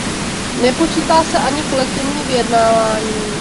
Nepočítá se ani kolektivní vyjednávání.